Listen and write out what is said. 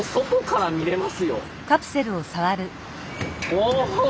お！